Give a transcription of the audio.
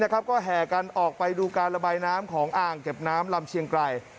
ก็แห่กันออกไปดูการระบายน้ำของอ่างเก็บน้ำลำเชียงไกร